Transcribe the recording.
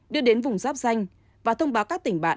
đưa đến vùng giáp danh và thông báo các tỉnh bạn